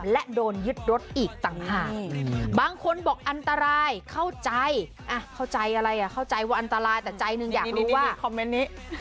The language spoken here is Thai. แล้วนี่มันถนนแล้วเขามีกดจราจอน